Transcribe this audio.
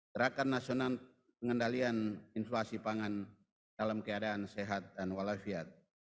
gerakan nasional pengendalian inflasi pangan dalam keadaan sehat dan walafiat